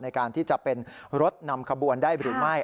ในการที่จะเป็นรถนำขบวนได้หรือไม่